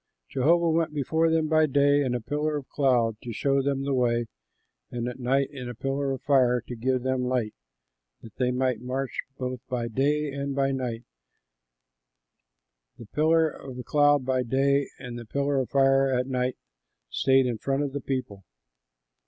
Jehovah went before them by day in a pillar of cloud, to show them the way, and at night in a pillar of fire, to give them light, that they might march both by day and by night; the pillar of cloud by day and the pillar of fire at night stayed in front of the people.